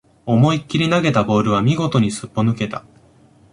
思いっきり投げたボールは見事にすっぽ抜けた